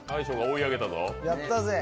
やったぜ。